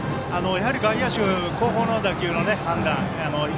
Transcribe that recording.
やはり、外野手後方の打球の判断